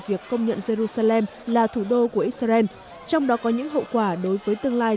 việc công nhận jerusalem là thủ đô của israel trong đó có những hậu quả đối với tương lai